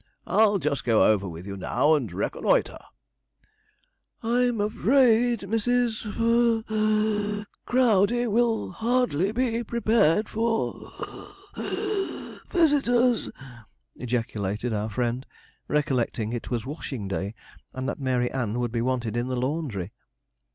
I'll just go over with you now and reconnoitre.' 'I'm afraid Mrs. (puff wheeze) Crowdey will hardly be prepared for (puff wheeze) visitors,' ejaculated our friend, recollecting it was washing day, and that Mary Ann would be wanted in the laundry.